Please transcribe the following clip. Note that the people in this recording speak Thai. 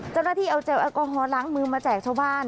เจ้าหน้าที่เอาเจลแอลกอฮอลล้างมือมาแจกชาวบ้าน